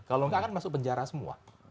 kalau enggak kan masuk penjara semua